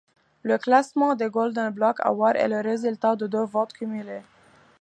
Le classement des Golden Blog Awards est le résultat de deux votes cumulés.